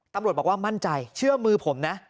ตำรวจบอกว่ามั่นใจเชื่อมือผมนะ